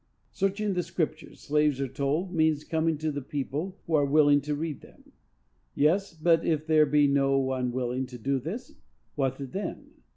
Searching the Scriptures, slaves are told, means coming to people who are willing to read to them. Yes, but if there be no one willing to do this, what then?